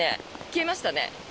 消えましたね。